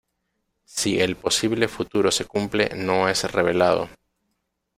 Si el posible futuro se cumple no es revelado.